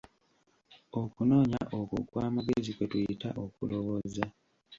Okunoonya okwo okw'amagezi kwe tuyita okulowooza.